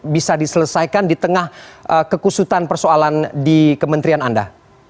bisa diselesaikan di tengah kekusutan persoalan di kementerian anda